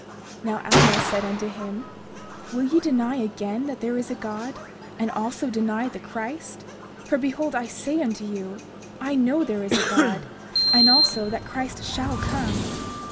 30:39 Now Alma said unto him: Will ye deny again that there is a God, and also deny the Christ? For behold, I say unto you, I know there is a God, and also that Christ shall come.